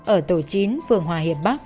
ở tổ chính phường hòa hiệp bắc